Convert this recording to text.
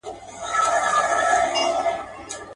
اې د مځكى پر مخ سيورې د يزدانه .